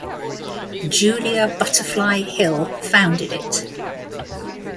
Julia Butterfly Hill founded it.